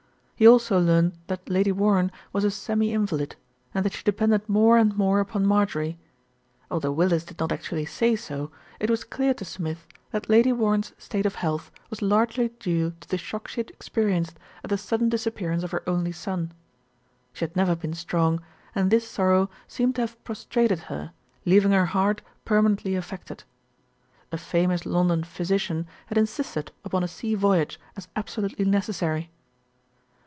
He also learned that Lady Warren was a semi in valid, and that she depended more and more upon Marjorie. Although Willis did not actually say so, it was clear to Smith that Lady Warren's state of health was largely due to the shock she had experienced at the sudden disappearance of her only son. She had never been strong, and this sorrow seemed to have prostrated her, leaving her heart permanently affected. A famous London physician had insisted upon a sea voyage as absolutely necessary.